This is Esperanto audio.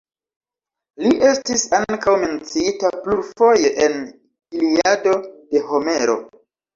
Li estis ankaŭ menciita plurfoje en "Iliado", de Homero.